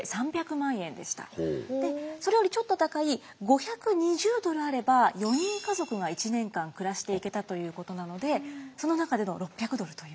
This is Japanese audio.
でそれよりちょっと高い５２０ドルあれば４人家族が１年間暮らしていけたということなのでその中での６００ドルというのはかなり。